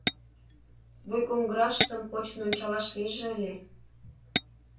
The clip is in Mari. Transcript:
Вуйгоҥгыраштым почын ончалаш лийже ыле!